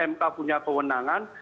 mk punya kewenangan